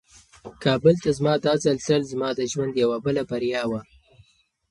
کابل ته زما دا ځل تلل زما د ژوند یوه بله بریا وه.